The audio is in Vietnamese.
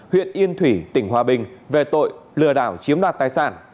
huyện yên thủy tỉnh hòa bình về tội lừa đảo chiếm đoạt tài sản